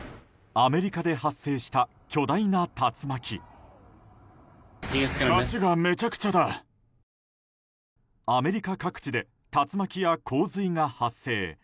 アメリカ各地で竜巻や洪水が発生。